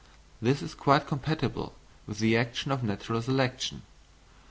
This is quite compatible with the action of natural selection.